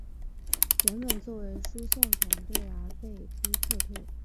原本作为输送船团而被逼撤退。